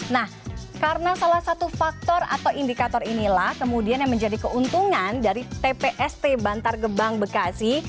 nah karena salah satu faktor atau indikator inilah kemudian yang menjadi keuntungan dari tpst bantar gebang bekasi